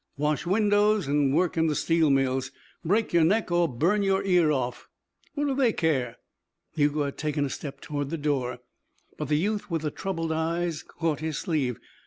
"Wash windows an' work in the steel mills. Break your neck or burn your ear off. Wha' do they care?" Hugo had taken a step toward the door, but the youth with the troubled eyes caught his sleeve.